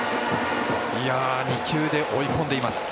２球で追い込んでいます。